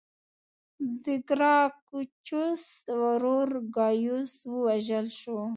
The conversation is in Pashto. د ګراکچوس ورور ګایوس ووژل شو